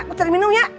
aku cari minum ya